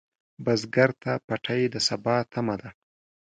بزګر ته پټی د سبا تمه ده